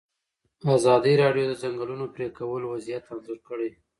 ازادي راډیو د د ځنګلونو پرېکول وضعیت انځور کړی.